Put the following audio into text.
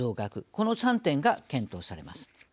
この３点が検討されます。